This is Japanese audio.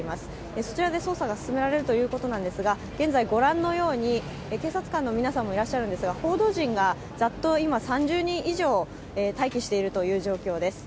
そちらで捜査が進められるということなんですが、現在、ご覧のように警察官の皆さんもいらっしゃるんですが、報道陣がざっと今、３０人以上待機しているという状況です。